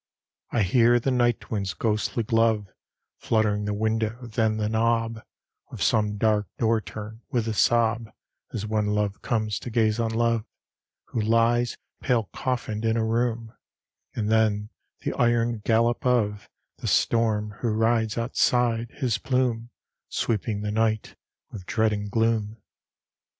I hear the night wind's ghostly glove Flutter the window: then the knob Of some dark door turn, with a sob As when love comes to gaze on love Who lies pale coffined in a room: And then the iron gallop of The storm, who rides outside, his plume Sweeping the night with dread and gloom.